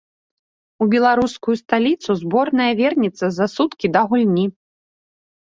У беларускую сталіцу зборная вернецца за суткі да гульні.